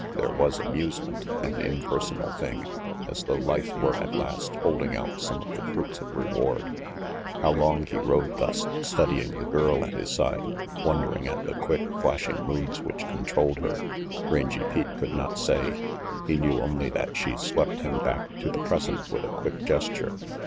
There was amusement, an impersonal thing, as though life were at last holding out some of the fruits of reward. How long he rode thus, studying the girl at his side, wondering at the quick, flashing moods which controlled her, Rangy Pete could not say. He knew only that she swept him back to the present with a quick gesture.